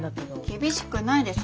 厳しくないです。